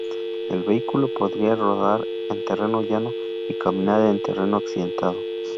El vehículo podría rodar en terreno llano y caminar en terreno accidentado.